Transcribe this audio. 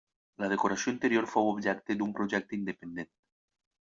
La decoració interior fou objecte d'un projecte independent.